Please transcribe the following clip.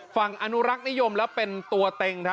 ฝั่งอนุรักษ์นิยมและเป็นตัวเต็ง